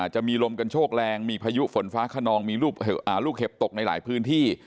จะมีลมกันโชคแรงมีพายุฝนฟ้าขนองมีลูกเห็บตกในหลายพื้นที่